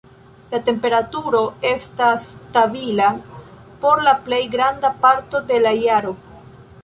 La temperaturo estas stabila por la plej granda parto de la jaro.